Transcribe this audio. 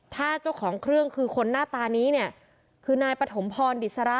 ถ้าเจ้าของเครื่องคือคนหน้าตานี้เนี่ยคือนายปฐมพรดิสระ